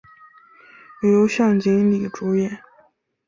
由向井理主演。